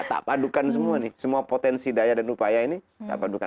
kita padukan semua nih semua potensi daya dan upaya ini kita padukan